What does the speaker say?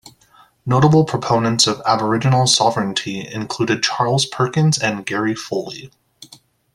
Notable proponents of Aboriginal sovereignty included Charles Perkins and Gary Foley.